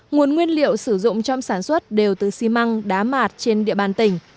nguồn nguyên liệu sử dụng trong sản xuất đều từ xi măng đá mạt trên địa bàn tỉnh